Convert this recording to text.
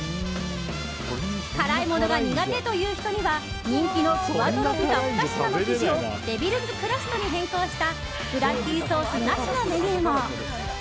辛いものが苦手という人には人気のクワトロ・ピザ２品の生地をデビルズクラストに変更したブラッディソースなしのメニューも。